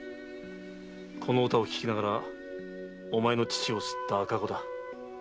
この歌を聞きながらおまえの乳を吸った赤子だ。